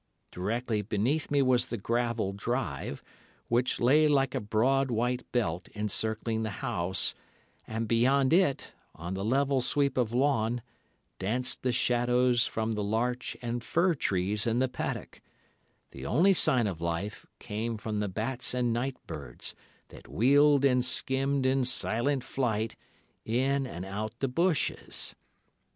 Directly beneath me was the gravel drive, which lay like a broad, white belt encircling the house, and beyond it, on the level sweep of lawn, danced the shadows from the larch and fir trees in the paddock; the only sign of life came from the bats and night birds that wheeled and skimmed in silent flight in and out the bushes.